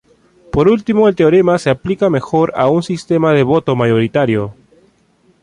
Por último el teorema se aplica mejor a un sistema de voto mayoritario.